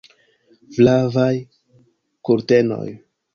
Flavaj kurtenoj!